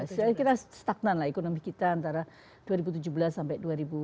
saya kira stagnan lah ekonomi kita antara dua ribu tujuh belas sampai dua ribu tujuh belas